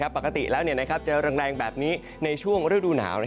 ปกติแล้วจะแรงแบบนี้ในช่วงฤดูหนาว